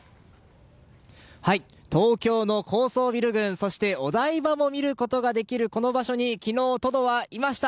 東京の高層ビル群そして、お台場も見ることができる、この場所に昨日、トドはいました。